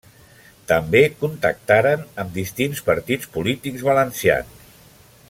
També contactaren amb distints partits polítics valencians.